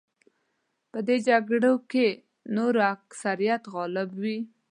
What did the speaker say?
که په دې جګړو کې د نورو اکثریت غالب وي.